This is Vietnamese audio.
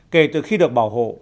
kể từ khi được bảo hộ